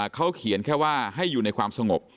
เขาเขียนแค่ว่าให้อยู่ในความสงบ